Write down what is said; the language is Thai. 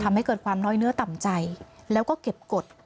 ทำให้เกิดความน้อยเนื้อต่ำใจแล้วก็เก็บกฎ